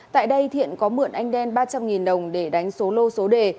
tại đây thiện có mượn anh đen ba trăm linh đồng để đánh số lô số đề